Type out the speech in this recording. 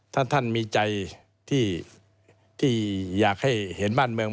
ถ้าท่านมีใจที่อยากให้เห็นบ้านเมือง